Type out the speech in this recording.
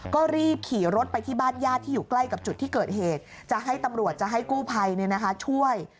ก็รีบขี่รถไปที่บ้านญาติที่อยู่ใกล้กับจุดที่เกิดเหตุจะให้ตำรวจจะให้กู้ภัยช่วย